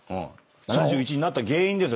７１位になった原因ですよ。